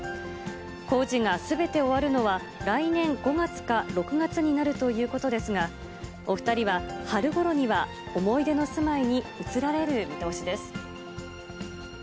工事がすべて終わるのは、来年５月か６月になるということですが、お２人は春ごろには思い出の住まいに移られる見通しです。